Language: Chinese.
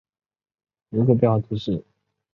布夸朗和诺济耶尔人口变化图示